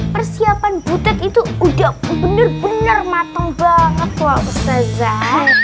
persiapan butet itu udah bener bener mateng banget loh ustazah